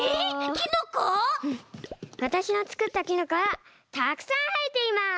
わたしのつくったキノコはたくさんはえています！